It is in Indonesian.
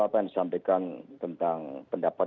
apa yang disampaikan tentang pendapat